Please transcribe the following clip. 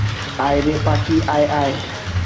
আয় রে পাখি আয় আয়।